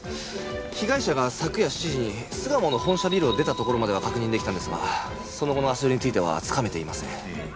被害者が昨夜７時に巣鴨の本社ビルを出たところまでは確認出来たんですがその後の足取りについてはつかめていません。